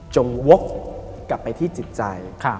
วกกลับไปที่จิตใจ